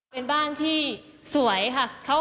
เป็นบ้านที่สวยค่ะ